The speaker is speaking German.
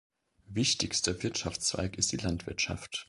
Wichtigster Wirtschaftszweig ist die Landwirtschaft.